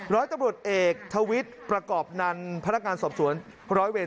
ร้อยตำรวจเอกทวิทย์ประกอบนันพนักงานสอบสวนร้อยเวร